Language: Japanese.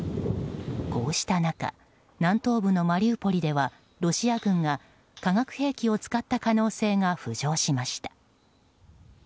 こうした中南東部のマリウポリではロシア軍が化学兵器を使った可能性が浮上しました。